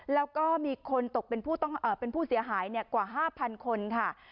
แล้วก็มีคนตกเป็นผู้เสียหายกว่า๕๐๐คนค่ะ